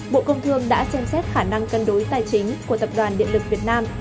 bộ công thương đã xem xét khả năng cân đối tài chính của tập đoàn điện lực việt nam